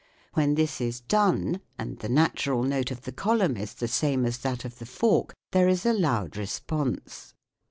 When this is done and the natural note of the column is the same as that of the fork there is a loud response.